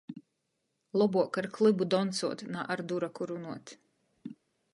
Lobuok ar klybu doncuot, na ar duraku runuot.